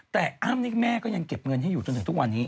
แต่อ้ำนี่แม่ก็ยังเก็บเงินให้อยู่จนถึงทุกวันนี้